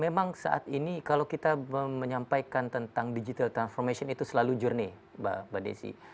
memang saat ini kalau kita menyampaikan tentang digital transformation itu selalu journey mbak desi